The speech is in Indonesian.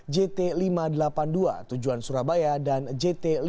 jt lima ratus delapan puluh dua tujuan surabaya dan jt lima ratus